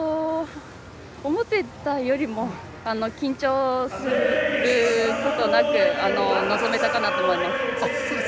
思ってたよりも緊張することなく臨めたかなと思います。